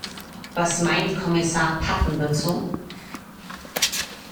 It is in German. Was meint Kommissar Patten dazu?